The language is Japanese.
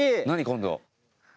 今度。